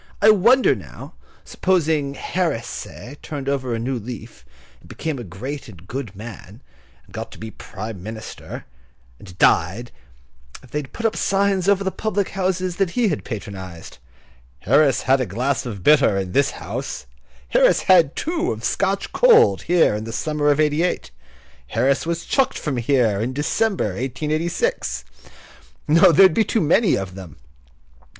I wonder now, supposing Harris, say, turned over a new leaf, and became a great and good man, and got to be Prime Minister, and died, if they would put up signs over the public houses that he had patronised: "Harris had a glass of bitter in this house;" "Harris had two of Scotch cold here in the summer of '88;" "Harris was chucked from here in December, 1886." No, there would be too many of them!